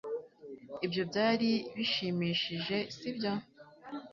Ibyo byari bishimishije, sibyo?